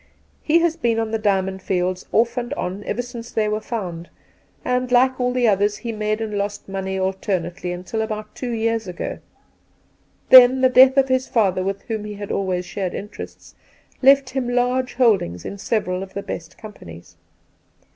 He has been on the Diamond Fields off and on ever since they were found, and, like all others, he made and lost money alternately until about two years ago ; then the death of his father, with whom he had always shared interests, left him large holdings in several of the best companies.